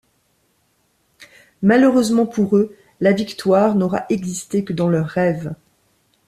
Malheureusement pour eux, la victoire n'aura existé que dans leurs rêves.